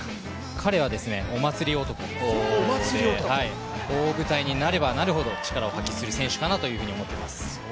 彼はお祭り男で、大舞台になればなるほど力を発揮する選手かなと思います。